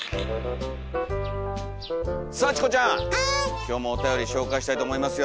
今日もおたより紹介したいと思いますよ。